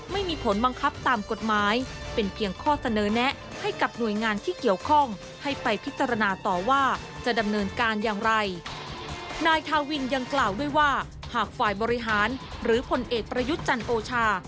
ไม่เกี่ยวข้องให้ไปพิจารณาต่อว่าจะดำเนินการอย่างไรนายทาวินยังกล่าวด้วยว่าหากฝ่ายบริหารหรือผลเอกประยุทธ์จันทร์โอชา